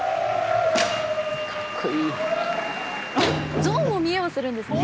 あっ象も見得をするんですね。